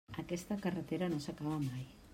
Aquesta carretera no s'acaba mai.